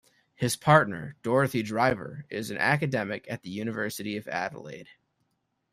His partner, Dorothy Driver, is an academic at the University of Adelaide.